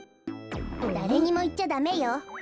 だれにもいっちゃダメよ。